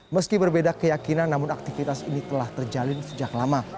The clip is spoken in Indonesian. meski berbeda keyakinan namun aktivitas ini telah terjalin sejak lama